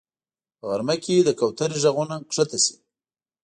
په غرمه کې د کوترې غږونه ښکته شي